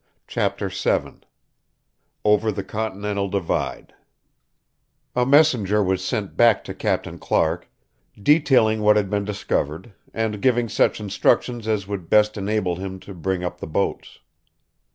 CHAPTER VII OVER THE CONTINENTAL DIVIDE A messenger was sent back to Captain Clark, detailing what had been discovered, and giving such instructions as would best enable him to bring up the boats.